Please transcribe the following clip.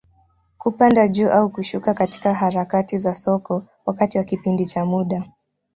Kupanda juu au kushuka katika harakati za soko, wakati wa kipindi cha muda.